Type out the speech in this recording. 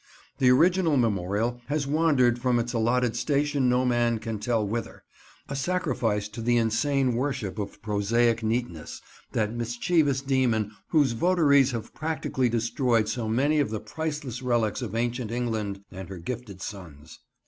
The original memorial has wandered from its allotted station no man can tell whither—a sacrifice to the insane worship of prosaic neatness, that mischievous demon whose votaries have practically destroyed so many of the priceless relics of ancient England and her gifted sons."